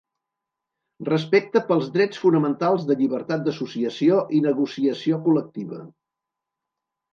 Respecte pels drets fonamentals de llibertat d'associació i negociació col·lectiva.